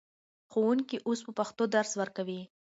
ښوونکي اوس په پښتو درس ورکوي.